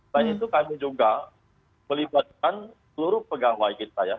dan itu kami juga melibatkan seluruh pegawai kita ya